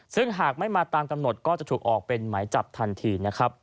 ซึ่งหากไม่มาตามกำหนดก็จะถูกออกเป็นหมายจับทันทีนะครับ